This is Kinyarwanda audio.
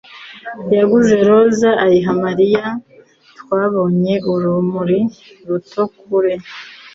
yaguze roza ayiha Mariya. Twabonye urumuri ruto kure.